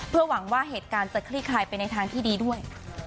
เพื่อหวังว่าเหตุการณ์จะคลี่คลายไปในทางที่ดีด้วย